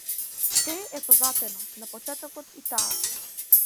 Сѐ е позлатено, на почетокот и таа.